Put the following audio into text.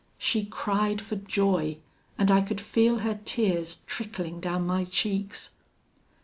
She cried for joy, and I could feel her tears trickling down my cheeks.